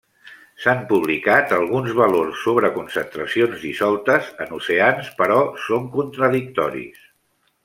S'han publicat alguns valors sobre concentracions dissoltes en oceans, però són contradictoris.